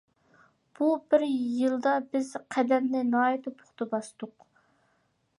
بۇ بىر يىلدا بىز قەدەمنى ناھايىتى پۇختا باستۇق.